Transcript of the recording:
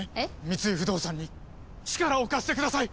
三井不動産に力を貸してください！